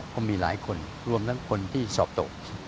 เพราะมีหลายคนรวมทั้งคนที่สอบตก